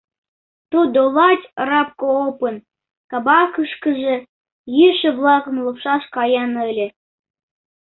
Тудо лач Рабкоопын «кабакышкыже» йӱшӧ-влакым лупшаш каен ыле.